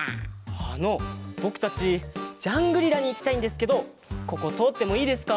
あのぼくたちジャングリラにいきたいんですけどこことおってもいいですか？